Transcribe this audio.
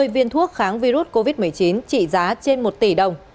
hai mươi viên thuốc kháng virus covid một mươi chín trị giá trên một tỷ đồng